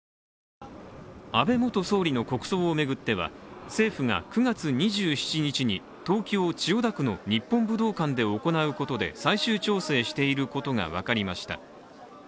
安倍元総理の国葬を巡っては政府が９月２７日に東京・千代田区の日本武道館で行うことで最終調整していることが分かりました。